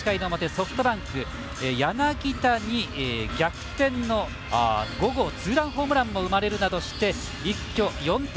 ソフトバンク、柳田に逆転の５号のツーランホームランが生まれるなどして一挙、４点。